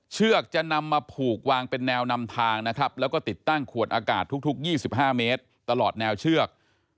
เชือกจะนำมาผูกวางเป็นแนวนำทางนะครับแล้วก็ติดตั้งขวดอากาศทุก๒๕เมตรตลอดแนวเชือก